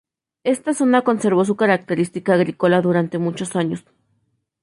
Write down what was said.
Esta zona conservó su característica agrícola durante muchos años.